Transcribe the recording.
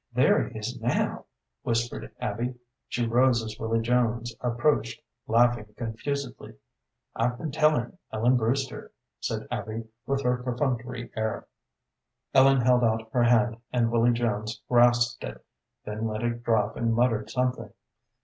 "There he is now," whispered Abby. She rose as Willy Jones approached, laughing confusedly. "I've been telling Ellen Brewster," said Abby, with her perfunctory air. Ellen held out her hand, and Willy Jones grasped it, then let it drop and muttered something.